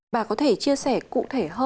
bà có thể chia sẻ cụ thể hơn